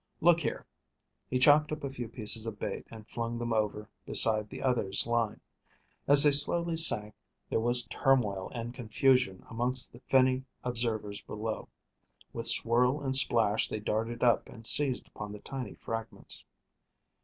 "Look here." He chopped up a few pieces of bait and flung them over beside the other's line. As they slowly sank there was turmoil and confusion amongst the finny observers below. With swirl and splash they darted up and seized upon the tiny fragments.